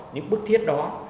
những bức thiết đó